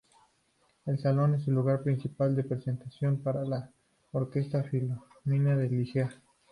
El salón es el lugar principal de presentaciones para la Orquesta Filarmónica de Lieja.